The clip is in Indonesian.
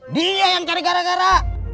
dia yang cari gara gara